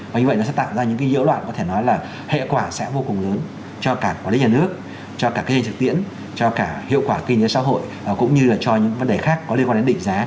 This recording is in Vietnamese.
và như vậy nó sẽ tạo ra những cái nhiễu loạn có thể nói là hệ quả sẽ vô cùng lớn cho cả quản lý nhà nước cho cả cái hình thực tiễn cho cả hiệu quả kinh tế xã hội cũng như là cho những vấn đề khác có liên quan đến định giá